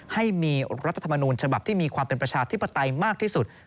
ให้มีรัฐธรรมนูญฉบับที่มีความเป็นประชาธิปไตยมากที่สุด